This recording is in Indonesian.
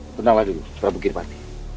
benarlah dulu prabu giripati